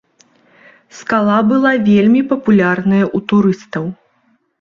Скала была вельмі папулярная ў турыстаў.